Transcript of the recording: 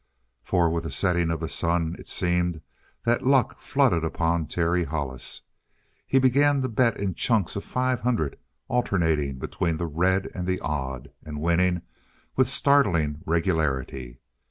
For with the setting of the sun it seemed that luck flooded upon Terry Hollis. He began to bet in chunks of five hundred, alternating between the red and the odd, and winning with startling regularity.